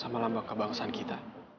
sama lambang kebangsaan kita